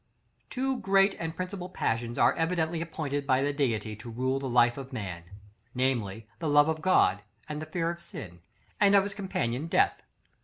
§ XLI. Two great and principal passions are evidently appointed by the Deity to rule the life of man; namely, the love of God, and the fear of sin, and of its companion Death.